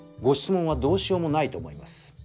ご質問はどうしようもないと思います。